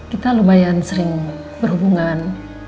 kita lumayan sering berhubungan